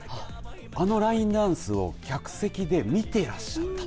あのラインダンスを客席で見ていらっしゃった。